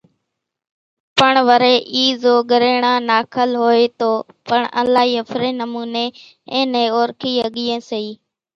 پڻ وريَ اِي زو ڳريڻان ناکل هوئيَ تو پڻ الائِي ۿڦريَ نمونيَ اين نين اورکِي ۿڳيئين سيئين۔